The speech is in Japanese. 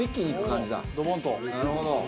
なるほど。